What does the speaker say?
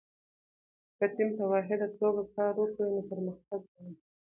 که ټیم په واحده توګه کار وکړي، نو پرمختګ به وي.